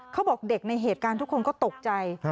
เขาบอกเด็กในเหตุการณ์ทุกคนก็ตกใจ